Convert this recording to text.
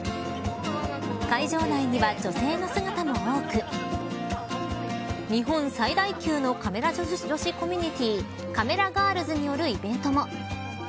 会場内には女性の姿も多く日本最大級のカメラ女子コミュニティカメラガールズによるイベントも。